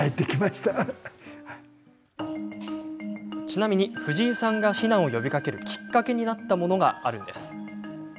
ちなみに、藤井さんが避難を呼びかけるきっかけになったものがあるんです。